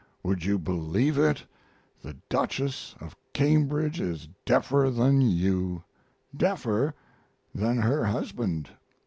Would you believe it? the Duchess of Cambridge is deafer than you deafer than her husband.